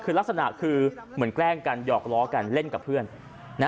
คือลักษณะคือเหมือนแกล้งกันหยอกล้อกันเล่นกับเพื่อน